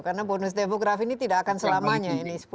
karena bonus demografi ini tidak akan selamanya